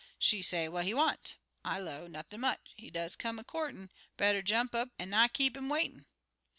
She say, 'What he want?' I low, 'Nothin' much; he does come a courtin'. Better jump up an' not keep 'im waitin'.'